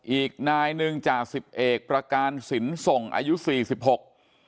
อีกนายหนึ่งจ่าสิบเอกประการสินส่งอายุสี่สิบหก